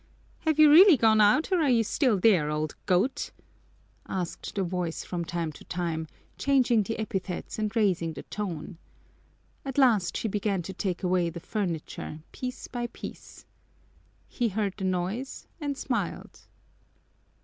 "Have you really gone out or are you still there, old goat?" asked the voice from time to time, changing the epithets and raising the tone. At last she began to take away the furniture piece by piece. He heard the noise and smiled.